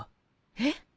えっ？